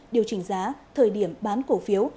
điều chỉnh giá thời điểm bán cổ phiếu